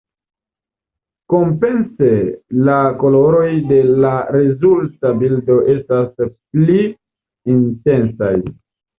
Kompense la koloroj de la rezulta bildo estas pli intensaj.